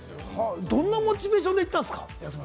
どんなモチベーションで行ったんですか？